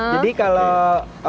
jadi kebalik ibu